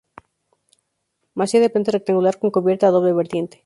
Masía de planta rectangular con cubierta a doble vertiente.